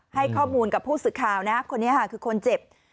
ให้ข้อมูลกับผู้สึกข่าวคนนี้คือคนเจ็บ